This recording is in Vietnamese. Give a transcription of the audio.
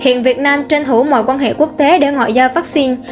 hiện việt nam tranh thủ mọi quan hệ quốc tế để ngoại giao vaccine